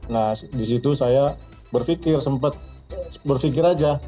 nah disitu saya berpikir sempat berpikir aja